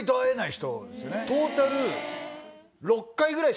トータル。